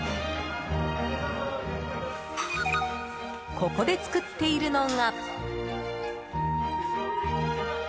ここで作っているのが。